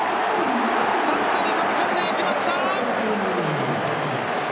スタンドに飛び込んでいきました。